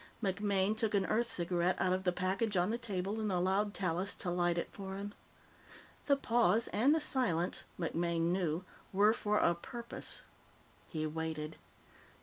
MacMaine took an Earth cigarette out of the package on the table and allowed Tallis to light it for him. The pause and the silence, MacMaine knew, were for a purpose. He waited.